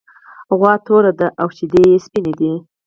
غوا توره ده او شیدې یې سپینې دي.